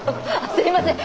すいません